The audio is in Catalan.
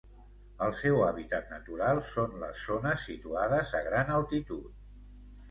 El seu hàbitat natural són les zones situades a gran altitud.